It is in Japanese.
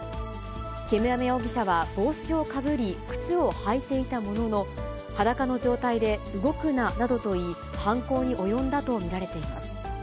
煙山容疑者は帽子をかぶり靴を履いていたものの、裸の状態で動くななどと言い、犯行に及んだと見られています。